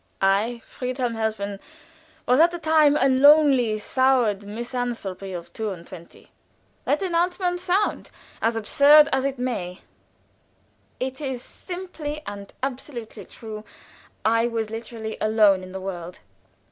I, Friedhelm Helfen, was at that time a lonely, soured misanthrope of two and twenty. Let the announcement sound as absurd as it may, it is simply and absolutely true, I was literally alone in the world.